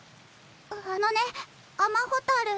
あのねアマホタル。